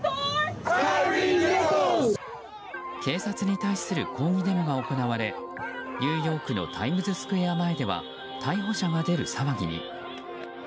警察に対する抗議デモが行われニューヨークのタイムズスクエア前では逮捕者が出る騒ぎに。